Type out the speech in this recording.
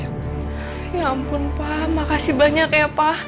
ya ampun pa makasih banyak ya pa